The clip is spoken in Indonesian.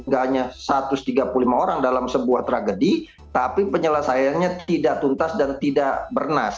gak hanya satu ratus tiga puluh lima orang dalam sebuah tragedi tapi penyelesaiannya tidak tuntas dan tidak bernas